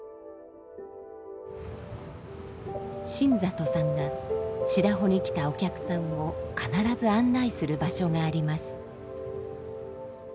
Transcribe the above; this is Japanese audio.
新里さんが白保に来たお客さんを必ず案内する場所があります。